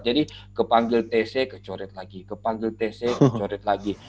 jadi kepanggil tc kecoret lagi kepanggil tc kecoret lagi